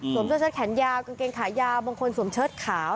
เสื้อเชิดแขนยาวกางเกงขายาวบางคนสวมเชิดขาว